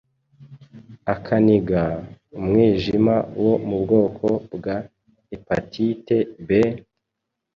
akaniga, umwijima wo mu bwoko bwa epatite B,